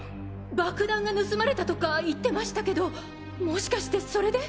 爆弾が盗まれたとか言ってましたけどもしかしてそれで？